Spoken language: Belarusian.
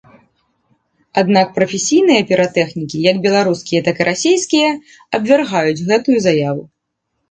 Аднак прафесійныя піратэхнікі як беларускія, так і расійскія абвяргаюць гэтую заяву.